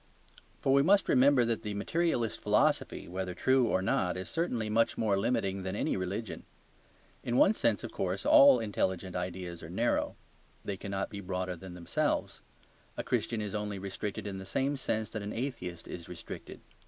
For we must remember that the materialist philosophy (whether true or not) is certainly much more limiting than any religion. In one sense, of course, all intelligent ideas are narrow. They cannot be broader than themselves. A Christian is only restricted in the same sense that an atheist is restricted.